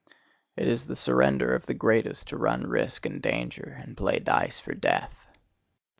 It is the surrender of the greatest to run risk and danger, and play dice for death.